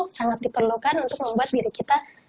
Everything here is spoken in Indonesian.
sangat diperlukan untuk membuat diri kita